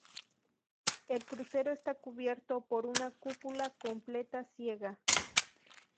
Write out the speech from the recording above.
El crucero está cubierto por una cúpula completa ciega.